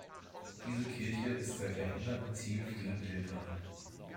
Diese Kirche ist seit Jahrhunderten Ziel vieler Pilger.